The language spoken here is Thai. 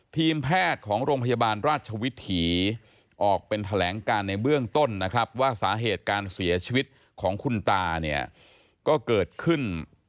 ทีมแพทย์ของโรงพยาบาลราชวิถีออกเป็นแถลงการในเบื้องต้นนะครับว่าสาเหตุการเสียชีวิตของคุณตาเนี่ยก็เกิดขึ้น